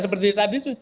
seperti tadi tuh